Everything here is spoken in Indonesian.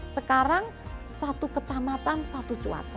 sekarang satu kecamatan satu cuaca